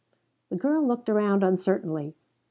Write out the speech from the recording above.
The girl looked around uncertainly.